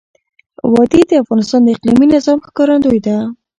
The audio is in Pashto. وادي د افغانستان د اقلیمي نظام ښکارندوی ده.